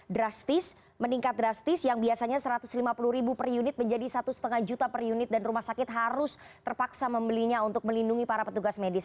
drastis meningkat drastis yang biasanya satu ratus lima puluh ribu per unit menjadi satu lima juta per unit dan rumah sakit harus terpaksa membelinya untuk melindungi para petugas medis